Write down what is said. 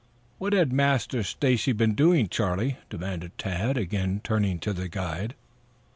"What had Master Stacy been doing, Charlie?" demanded Tad, again turning to the guide.